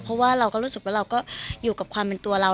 เพราะว่าเราก็รู้สึกว่าเราก็อยู่กับความเป็นตัวเรา